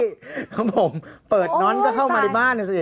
ครับผมเปิดน้อนก็เข้ามาในบ้านนะสิ